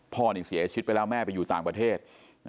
พ่อนี่เสียชีวิตไปแล้วแม่ไปอยู่ต่างประเทศ